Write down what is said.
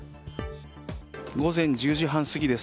午前１０時半過ぎです。